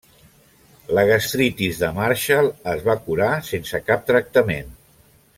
La gastritis de Marshall es va curar sense cap tractament.